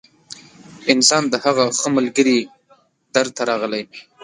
انسان د هغه ښه ملګري در ته راغلی